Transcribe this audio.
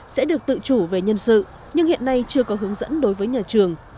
sẽ được tự chủ về nhân sự nhưng hiện nay chưa có hướng dẫn đối với nhà trường